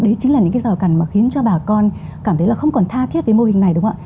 đấy chính là những cái rào cản mà khiến cho bà con cảm thấy là không còn tha thiết với mô hình này đúng không ạ